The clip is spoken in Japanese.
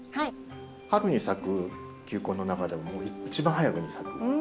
春に咲く球根の中でも一番早くに咲く。